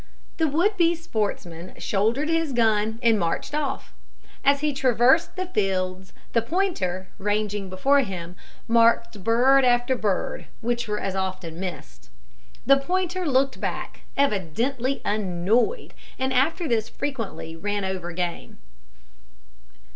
The would be sportsman shouldered his gun and marched off. As he traversed the fields, the pointer, ranging before him, marked bird after bird, which were as often missed. The pointer looked back, evidently annoyed, and after this frequently ran over game.